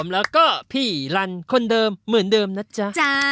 แล้วก็พี่ลันคนเดิมเหมือนเดิมนะจ๊ะ